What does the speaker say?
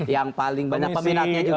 yang paling banyak peminatnya juga